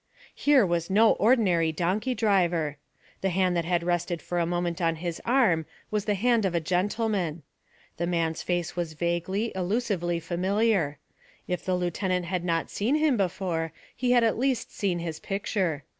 Here was no ordinary donkey driver. The hand that had rested for a moment on his arm was the hand of a gentleman. The man's face was vaguely, elusively familiar; if the lieutenant had not seen him before, he had at least seen his picture.